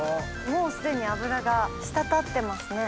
もうすでに脂が滴ってますね。